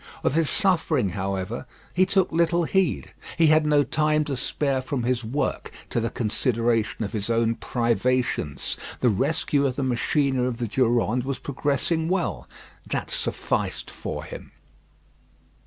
Of his suffering, however, he took little heed. He had no time to spare from his work to the consideration of his own privations. The rescue of the machinery of the Durande was progressing well. That sufficed for him.